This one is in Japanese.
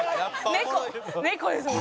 猫猫ですもん。